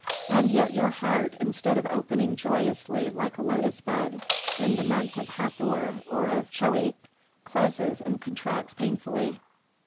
And yet your heart, instead of opening joyously like a lotus bud in the month of Hathor or of Choeak, closes and contracts painfully."